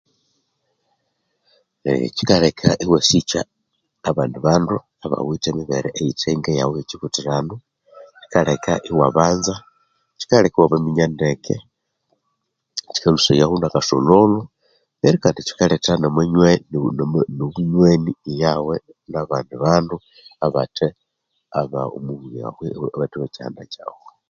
Ee Kyikaleka iwasikya abandi bandu abawithe emibere eyithe ngeyaghu eyekyibuthiranwa, kyikaleka iwabanza kyikaleka iwabaminya ndeke kyikalhusayaho nakasolholho neryo kandi kyikaletha na amanywani n'obunywani iyawe nabandi bandu abathe be kyihanda ekyaghu.